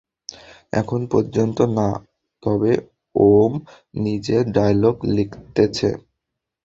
এখন পর্যন্ত না, তবে ওম নিজের ডায়লগ লিখতেছে।